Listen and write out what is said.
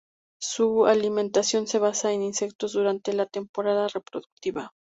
Su alimentación se basa en insectos durante la temporada reproductiva.